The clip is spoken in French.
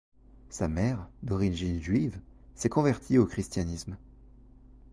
Sa mère, d'origine juive, s'est convertie au christianisme.